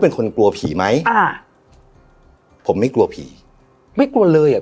เป็นคนกลัวผีไหมอ่าผมไม่กลัวผีไม่กลัวเลยอ่ะ